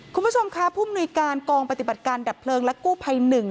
คุณผู้ชมค่ะผู้มนุยการกองปฏิบัติการดับเพลิงและกู้ภัยหนึ่ง